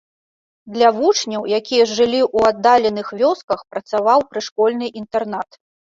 Для вучняў, якія жылі ў аддаленых вёсках, працаваў прышкольны інтэрнат.